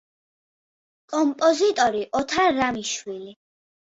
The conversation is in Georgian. კომპოზიტორი ოთარ რამიშვილი.